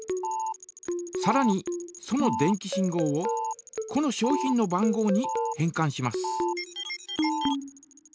さらにその電気信号をこの商品の番号に変かんします。